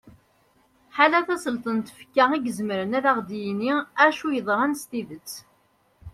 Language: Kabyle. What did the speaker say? ḥala tasleḍt n tfekka i izemren ad aɣ-yinin acu yeḍran s tidet